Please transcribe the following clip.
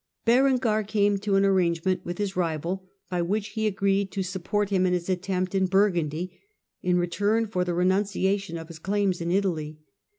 Berengar came to an arrangement with his rival by which he agreed to sup port him in his attempt in Burgundy in return for the renunciation of his claims in Italy.